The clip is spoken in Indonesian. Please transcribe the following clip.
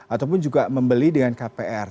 ataupun juga membeli dengan kpr